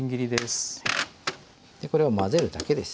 これを混ぜるだけです。